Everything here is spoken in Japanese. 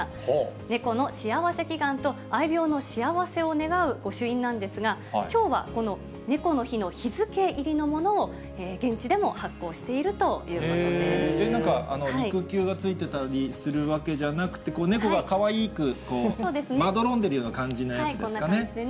猫の幸せ祈願と愛猫の幸せを願う御朱印なんですが、きょうはこの猫の日の日付入りのものを現地でも発行しているといなんか、肉球が付いてたりするわけじゃなくて、猫がかわいくまどろんでるような感じのやつですかね。